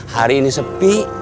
hari ini sepi